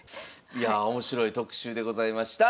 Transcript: いやあ面白い特集でございました。